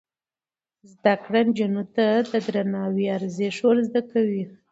زده کړه نجونو ته د درناوي ارزښت ور زده کوي.